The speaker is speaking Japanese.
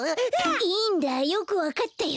いいんだよくわかったよ。